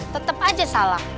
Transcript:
tetep aja salah